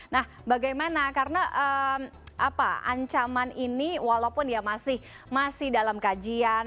nah bagaimana karena ancaman ini walaupun ya masih dalam kajian